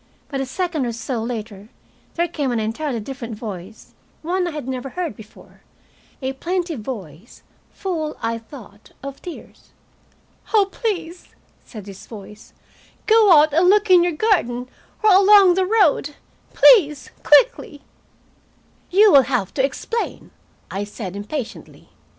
But a second or so later there came an entirely different voice, one I had never heard before, a plaintive voice, full, I thought, of tears. "Oh, please," said this voice, "go out and look in your garden, or along the road. Please quickly!" "You will have to explain," I said impatiently.